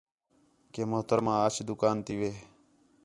کہ محترمہ اَچ دُکان تی وِہ